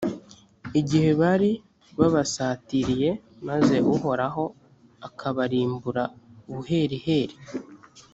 igihe bari babasatiriye, maze uhoraho akabarimbura buheriheri.